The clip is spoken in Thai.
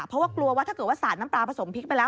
เพราะว่ากลัวว่าถ้าเกิดว่าสาดน้ำปลาผสมพริกไปแล้ว